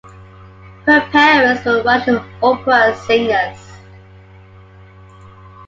Her parents were Russian opera singers.